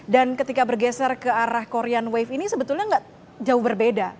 dan ketika bergeser ke arah korean wave ini sebetulnya gak jauh berbeda